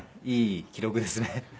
いい記録ですね。